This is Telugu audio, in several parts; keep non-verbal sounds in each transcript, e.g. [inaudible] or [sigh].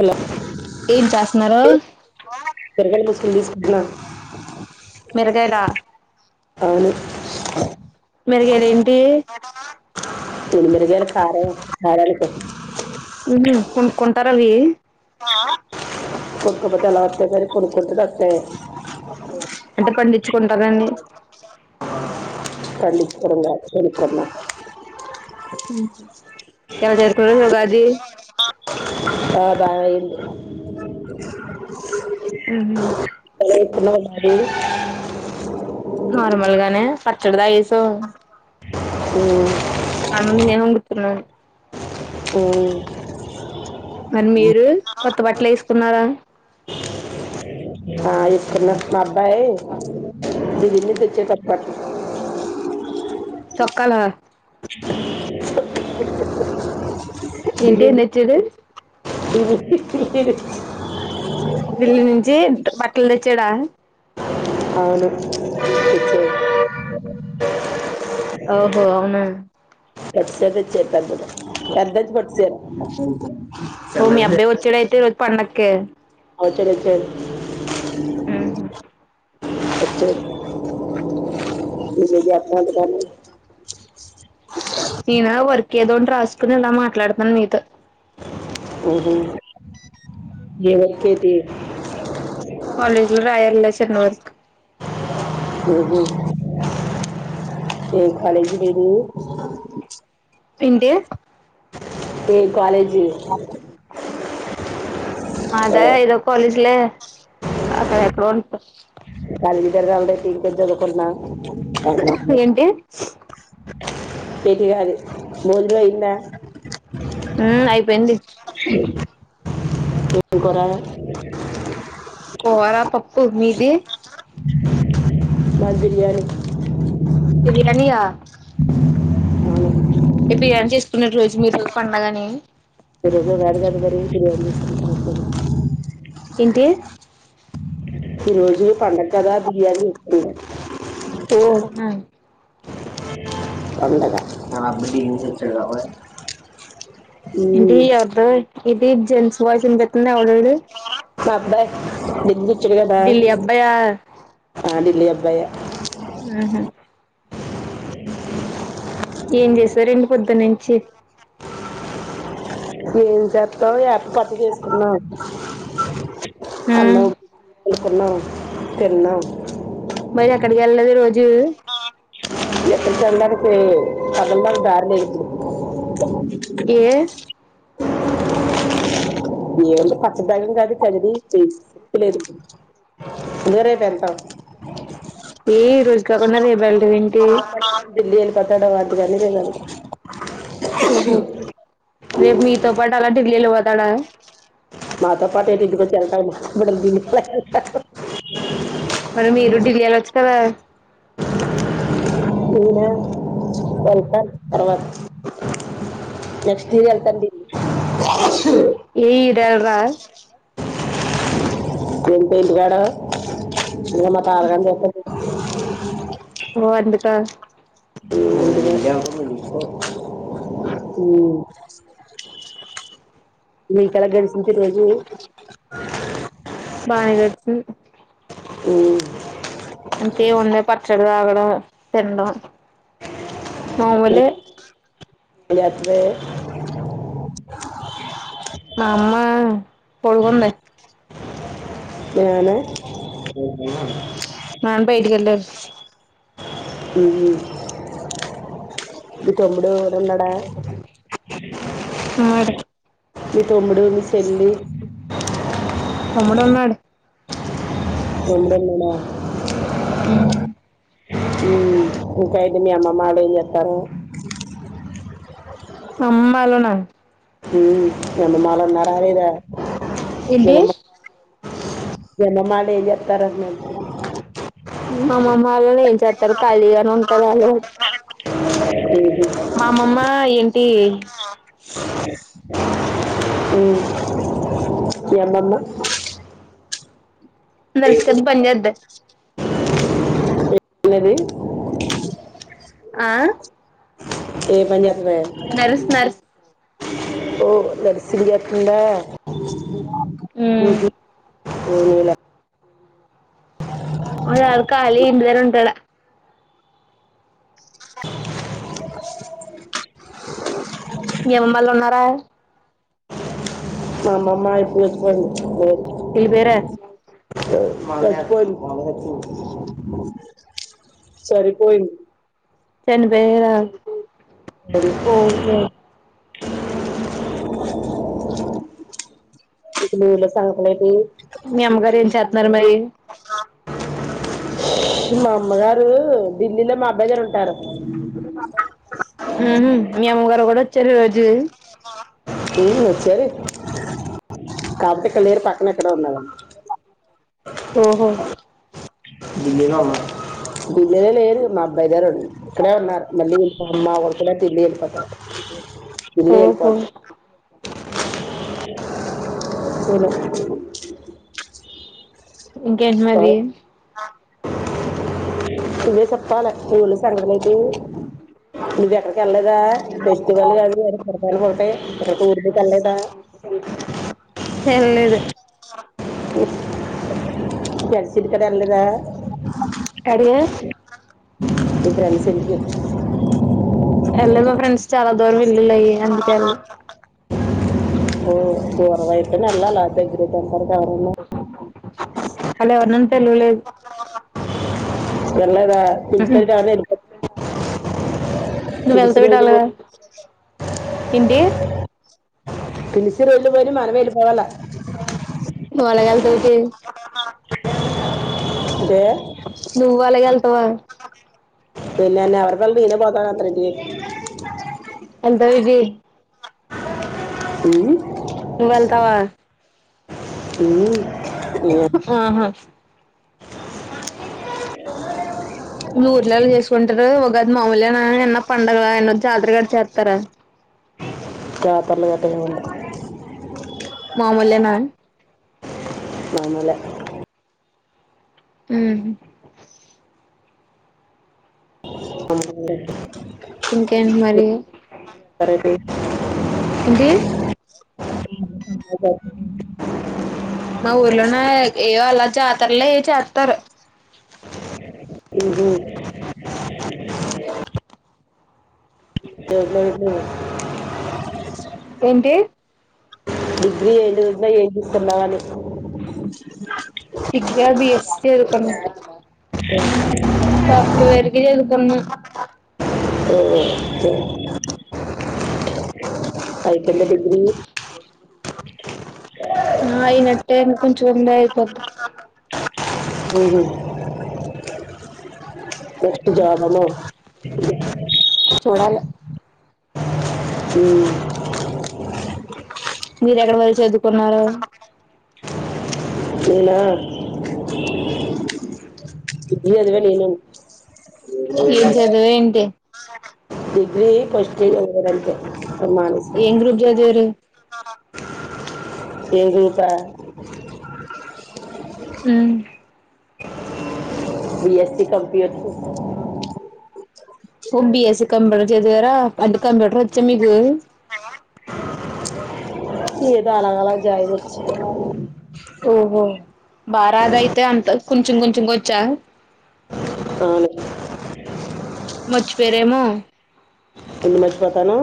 హలో ఏం చేస్తన్నారు నొ మెరుగైన అవును మెరుగేరిమ్ తొందరిగాలు సారే సారలు [inaudible] హ్మ్ హు కొనుకుంటారవి కొట్టుకోపోతే ఎలా వత్తయ్ మరి కొనుక్కుంటేనే వత్తాయ్ అంటే పండిచ్చుకుంటార అండి చెన్కెట్నా చానా చేరుకునేది ఉగాది ఆ బాగ అయ్యింది హ్మ్ హు ఎలా [inaudible] నార్మల్గానే పచ్చడదా ఏ హ్మ్ అన్నం నేను వొంగుతున్నాను హ్మ్ మరి మీరు కొత్త బట్టలు వేసుకున్నారా ఆ ఏసుకున్న మ బయ్ దిది తెచ్చే కబ్బట్ తొక్కాల ఏంటి ఏం తెచ్చాడు తెచ్చిండు ఢిల్లీ నుంచి బట్టలు తెచ్చాడా అవును తెచ్చే ఓహో అవునా [unintelligible] తెచ్చాడు పెద్దది పెద్దది పట్టుచీర ఓకే వొచ్చాడు ఒచ్చాడు వచ్చాడు [inaudible] [unintelligible] ఏదోటి రాసుకుని అన్నా మాట్లాడుతాను మీతో ఓహో ఏ వర్క్ అయితే కాలజ్ లో రాయాలి లెసన్ వర్క్ మ్మ్ కాలేజ్ [inaudible] ఏంటి ఏ కాలేజ్ జి అదా ఏదో కాలేజీలే అక్కడ ఎక్కడో ఉంటద్ కళ్కిద్దర రౌడతి [unintelligible] కొన్నా ఏంటి [unintelligible] పెరిగాదు భోజనం అయిందా మ్మ్ అయిపోయింది ఏం కూర కోరా పప్పు మీది ది మాది బిర్యాని బిర్యానియా అవును ఏ బిర్యానీ చేసుకున్న రోజు మీరు పండగనీ ఈరోజు ఉగాది కదా మరి బిర్యాని [unintelligible] ఏంటి అ ఈ రోజు పండగ కదా బిర్యాని ఓ [unintelligible] పండగ ఉమ్ ఇంటి ఎవర్దు ఇది జెంస్ వా తంబత్తన్నా ఎవడడు [unintelligible] ఢిల్లీ అబ్బాయా ఆ ఢిల్లీ అబ్బాయ ఆహ ఏం చేసరండి పొద్దున్న నుంచి ఏం చేస్తాం ఏప్ పట్ చేసుకున్నావు ఆ [inaudible] కోకున్నా తిన్నాం మరి అక్కడికి వెళ్ళదు రోజు ఎ జనికి పదమకు దారి లే [unintelligible] ఏ ఏ అంటి పక్కింటి వాళ్ళ ఉప్పు లేదు గరే పెతా [unintelligible] ఏ ఇ రోజు కాకుడా రేపు వెళ్ళటం ఏంటి అ ఢిల్లీ వెళ్ళిపోతాడు కానీ రేపు వెళ్తాం రే మీతో పటాల ఢిల్లీ వెళ్ళిపోతాడ మాతో పాటు ఏంటి ఇంటికి వచ్చి వెళ్తావు? హాహా మరి మీరు ఢిల్లీ వెళ్ళొచ్చు కదా అవును! వెళ్తాను తర్వాత. [inaudible] ఇయర్ వెళ్తాను ఢిల్లీ ఏ ఇ యియర్ ఎల్లర ఉండా ఇంటికదా? షూ నా ఫాదర్ అని చెప్పాలా ఏటి? [inaudible] ఓ అందుకా. హ్మ్ నీకు ఎట్లా తెలుస్తుంది? ఇంకా ఈ రోజు స్. ఊహ్మ్. ఇంకేముంది పచ్చడ్లు తాగడం, తినడం. మామూలే. రాట్లే. మా అమ్మ పొడుగుందీ మా నాన్న [unintelligible] [inaudible] ఊహూ మీ తమ్ముడు [unintelligible] ఉన్నాడా? మాడె. మీ తమ్ముడు, మీ చెల్లి. తమ్ముడు ఉన్నాడు. తమ్ముడు ఉన్నాడా? హ్మ్ హ్మ్ ఇంకా అయితే మీ అమ్మ డాడ్ ఏం చేత్తారు? అమ్మ లోనా. హ్మ్ నను మా ఉన్నారా లేదా? ఏంటి దేనమ్మా! ఎందమ్మా. బయలుదేర తర్వాత మాట్లా [inaudible] మా మామ్మ వాళ్లు ఏం చేత్తారు ఖాళీగానే ఉంటారు వాళ్లు. హ్మ్ మా అమ్మమ్మ ఏంటి? హ్మ్ ఎందమ్మా? నర్స్ కింద పని చేద్ది. ఉన్నది. ఆ ఏ పని వెత నర్స్ నర్స్ ఓ దన్ [unintelligible] సియకుండా హ్మ్ పోనీలే ఓనాడు కాళీ ఇంటిదగ్గరుంటడు మీ అమ్మ వాళ్లు ఉన్నారా మా అమ్మమ్మ ఇప్పుడొచ్చిపోయింది లేదు ఈ పేర సరిపోయింది టెన్ బేరాలు ఓ హో ఇది ఊర్లో సంగతులేటి? మీ అమ్మగారు ఏం చేత్తన్నారు మరి మా అమ్మగారు ఢిల్లీలో మా అబ్బాయి దగ్గర ఉంటారు. ఇప్పు కాబ ఉమ్ హ్మ్మ్ మీ అమ్మగారు కూడా వచ్చారు ఈ రోజు ఉమ్ వచ్చారు కాక పోతే ఇక్కడ లేరు పక్కన ఎక్కడ ఉన్నారు ఓహో బిడ్డలు లేరు మా అబ్బాయి గారు ఉన్నారు ఇక్కడే ఉన్నారు మళ్ళీ వెళ్ళిపో అమ్మా ఒక కూడా ఢిల్లీ వెళ్ళిపోతారు ఢిల్లీ ఓహో వెళ్ళిపోద్ది చలో ఇంకేంటి మరి నువ్వే చెప్పాలి నువ్వు సంగతేంటి మీది ఎక్కడికి వెళ్ళదా ఫెస్టివల్ కాదు ఎరపాయలు ఒకట ఇ ఊర్దకి వెళ్ళదా తేళ్లలేదు తెల్సింది కదా వెళ్లదా అడిగా మీ ఫ్రెండ్స్ ఇంటికి వెళ్లే మా ఫ్రెండ్స్ చాలా దూరం ఇల్లులు అయి ఆ ఓ దూరమై అయితేనే దగ్గర వెళ్లాలా అలా ఎవర్నన్ తెలు లే లేదా ఉహు పిల్తే చాలు ఎల్పోతం నువ్వు వెళ్తావేటి పిల్సినోల్ అలాగా ఏంటి పిలిసిండ్రు ఓలుమరి మనమే వెళ్లి పోవాల ఏటి అంటే నువ్వు అలాగే ల్ వ పెళ్లైన వరకెలే నేనే పోతా అత్తారింటికి ఎంత బీజి ఉమ్ నువ్ వెళ్తవా ఉమ్ ఈ ఆహా మీ ఊరళ్లల అవి చేసుకుంటారు అ మామూలేన ఏమన్నా పండగ జాతర గట్రా చెత్తారా జాతర లేదు ఏం లేదు మామూలేన మామూలే ఉమ్ సింకేనికి మరి ఏంటి మా ఊర్లోనే ఏవో అలా చేతారులే ఏ చెత్తారు హమ్ హమ్ హమ్ ఎన్టీ డిగ్రీ నలభై ఇక నాని డిగ్రీ ఆ బి ఎస్ సి వెళ్తున్న సాఫ్ట్వేర్ కి వెళ్తున్న ఒకే అయితలే డిగ్రీ ఆ అయినట్టే కొంచం ఉంటే ఐపొద్ది నెక్స్ట్ యాడనో చూడాలి హమ్ మీరు ఎక్కడ వళ్రి చదువుకున్నారు ఏనా ఇ అదివేళ ఏను ఏం చదివా ఏంటి డిగ్రీ ఫస్ట్ ఓ ఏం గ్రూబ్ జదేవారు ఏ గురుపా అ బీఎస్స కంపచ్చ బ్బి అసి కంబడ దిరా అడ్ కం పచ్చ మీగు ఇయద అలాగ అలా జయి వచ్చ బారధ అయితే అంత కొంచెం కొంచెంక వచ్చా అను మర్చిపోయరేమో తన్ని మర్చిపోతాను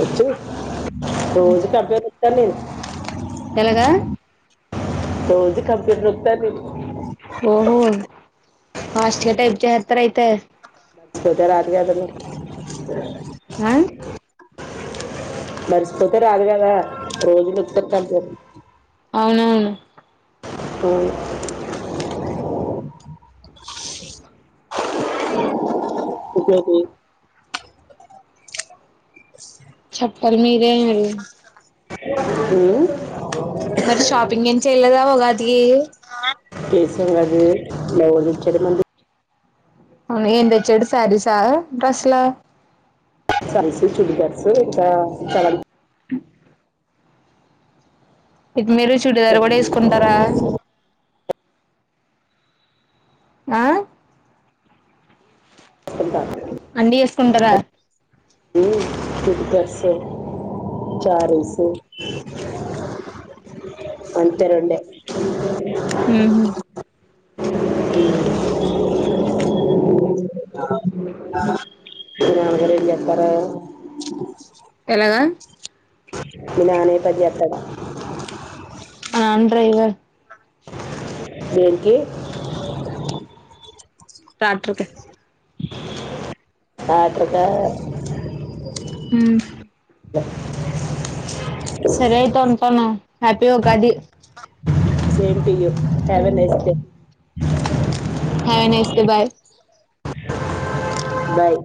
వచ్చి రోజు డబ్బే [unintelligible] ఎలాగా రోజు కంప్యూటరు ఓహో ఫాస్ట్ గా టైప్ చేయత్తార్ అయితే పోత రాది అతను ఉమ్ మరిసిపోతే రాదు కదా రోజులు [unintelligible] అవునవును అ [unintelligible] బస్ చెప్పరు మీరేరు అ మరి షాపింగ్ ఏం చెయలేదా ఉగాదికి చేసాం అండి [unintelligible] అవును ఇందెచ్చేటి సారీసా డ్రస్లా సారిసు చుడిదార్సు ఇకా చాల ఇది మీరు చుడిదార్ కూడా వేసుకుంటారా ఆ ఎంత అన్ని వేసుకుంటారా నిక్కర్సే చారేసి అంతే రుండే ఉహు [unintelligible] ఏం చెత్తారు ఎలాగా వినాని పది అత్తది మా ఆయన్ డ్రైవర్ దేనికి ట్రాక్టరకి అత్రతా సరే అయితే ఉంటాను happy Ugadi same to you సెవెన్ఏస్తే నైన్ ఎస్త బాయ్ బాయ్